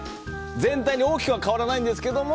全体に大きくは変わらないんですけども。